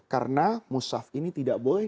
karena mushaf ini tidak boleh